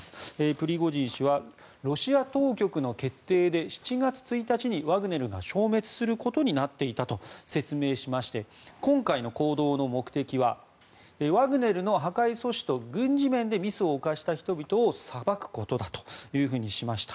プリゴジン氏はロシア当局の決定で７月１日にワグネルが消滅することになっていたと説明しまして今回の行動の目的はワグネルの破壊阻止と軍事面でミスを犯した人々を裁くことだとしました。